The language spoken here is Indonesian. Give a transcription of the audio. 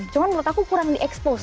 cuma menurut aku kurang diekspos